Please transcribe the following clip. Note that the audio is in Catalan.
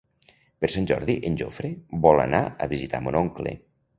Per Sant Jordi en Jofre vol anar a visitar mon oncle.